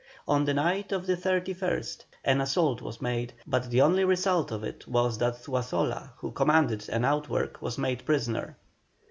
On the night of the 31st an assault was made, but the only result of it was that Zuazola, who commanded an outwork, was made prisoner.